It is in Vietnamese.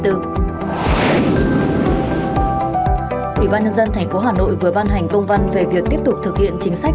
ủy ban nhân dân tp hà nội vừa ban hành công văn về việc tiếp tục thực hiện chính sách